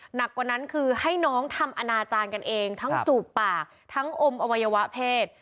หนักกว่านั้นคือให้น้องทำอนาจารย์กันเองทั้งจูบปากทั้งอมอวัยวะเพศ